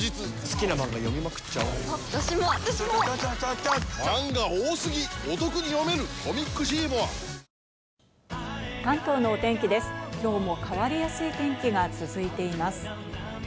きょうも変わりやすい天気が続いています。